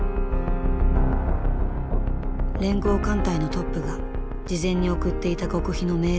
連合艦隊のトップが事前に送っていた極秘の命令文。